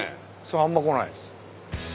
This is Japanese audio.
あんま来ないです。